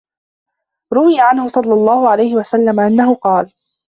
رُوِيَ عَنْهُ صَلَّى اللَّهُ عَلَيْهِ وَسَلَّمَ أَنَّهُ قَالَ